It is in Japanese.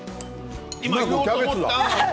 今、言おうと思った。